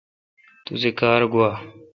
توسی کار گوا۔